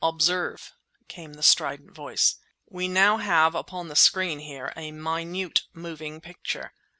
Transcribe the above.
"Observe," came the strident voice—"we now have upon the screen here a minute moving picture.